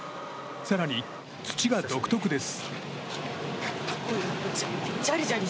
更に、土が独特です。